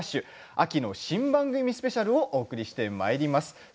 秋の新番組スペシャルをお送りします。